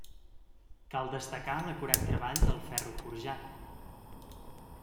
Cal destacar l'acurat treball del ferro forjat.